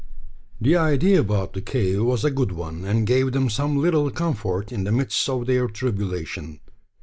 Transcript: The idea about the cave was a good one, and gave them some little comfort in the midst of their tribulation.